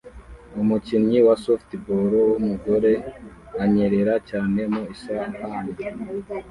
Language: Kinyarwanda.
Umukinnyi wa softball wumugore anyerera cyane mu isahani